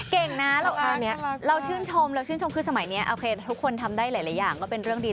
เก่งนะเราชื่นชมเราชื่นชมคือสมัยนี้โอเคทุกคนทำได้หลายอย่างก็เป็นเรื่องดี